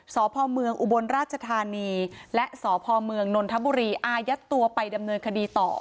สพเมืองอุบลราชธานีและสพเมืองนนทบุรีอายัดตัวไปดำเนินคดีต่อ